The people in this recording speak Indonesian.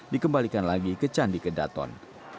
dikembalikan lagi ke candi kedaton